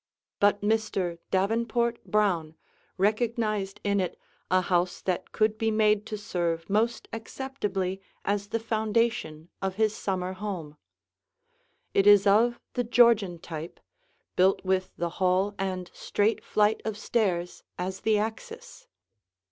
But Mr. Davenport Brown recognized in it a house that could be made to serve most acceptably as the foundation of his summer home. It is of the Georgian type, built with the hall and straight flight of stairs as the axis.